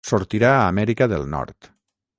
Sortirà a Amèrica del Nord.